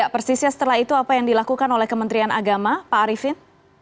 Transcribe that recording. persisnya setelah itu apa yang dilakukan oleh kementerian agama pak arifin